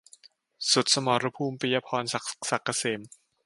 สุดสมรภูมิ - ปิยะพร ศักดิ์เกษม